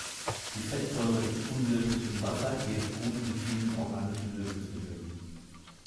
Die Fettsäure ist unlöslich in Wasser, jedoch gut in vielen organischen Lösungsmitteln.